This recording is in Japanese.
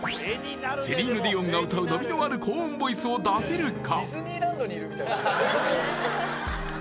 セリーヌ・ディオンが歌う伸びのある高音ボイスを出せるか？